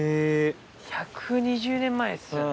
１２０年前ですよね。